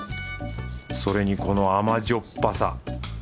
それにこの甘じょっぱさ。